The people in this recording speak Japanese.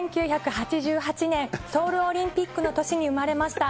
１９８８年ソウルオリンピックの年に生まれました